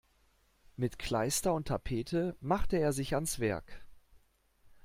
Mit Kleister und Tapete machte er sich ans Werk.